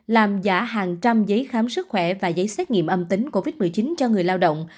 làm giả hàng trăm giấy khám sức khỏe và giấy xét nghiệm âm tính covid một mươi chín cho người lao động